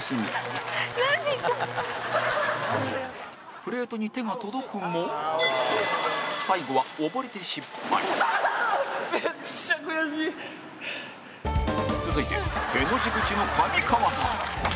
プレートに手が届くも最後は溺れて、失敗続いて、への字口の上川さん